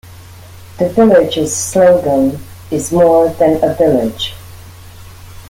The village's slogan is More than a village.